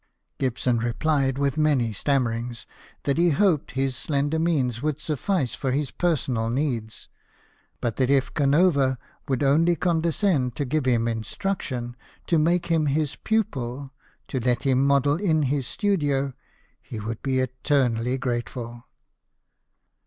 Gibson replied, with many stammerings, that he hoped his slender means would suffice for his personal needs, but that if Canova would only condescend to give him instruction, to make him his pupil, to let him model in his studio, he would be eternally grateful.